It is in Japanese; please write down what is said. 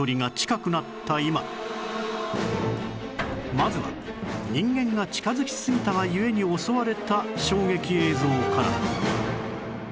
まずは人間が近づきすぎたが故に襲われた衝撃映像から